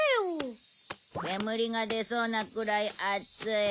煙が出そうなくらい暑い。